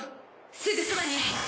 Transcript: すぐそばに。